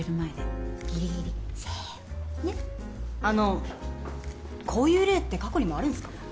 あのこういう例って過去にもあるんすか？